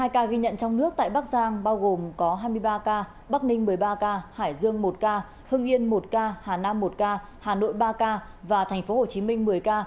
một mươi ca ghi nhận trong nước tại bắc giang bao gồm có hai mươi ba ca bắc ninh một mươi ba ca hải dương một ca hưng yên một ca hà nam một ca hà nội ba ca và tp hcm một mươi ca